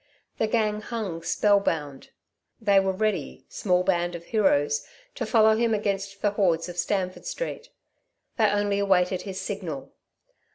The gang hung spellbound. They were ready, small band of heroes, to follow him against the hordes of Stamford Street. They only awaited his signal.